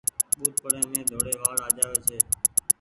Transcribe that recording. ٻوڏپڙي مين ڌوڙي وآڙ آجآوي ڇي۔